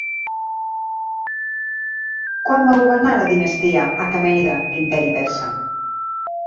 Quan va governar la dinastia aquemènida l'Imperi persa?